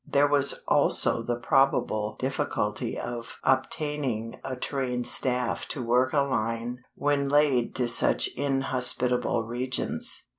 There was also the probable difficulty of obtaining a trained staff to work a line when laid to such inhospitable regions.